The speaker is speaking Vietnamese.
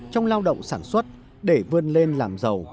trong lao động sản xuất để vươn lên làm giàu